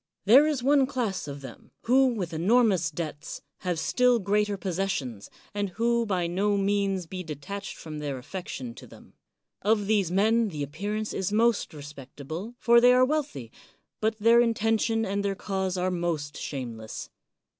There is one class of them, who, with enormous debts, have still greater possessions, and who can by no means be detached from their affection to them. Of these men the appearance is most re spectable, for they are wealthy, but their inten tion and their cause are most shameless.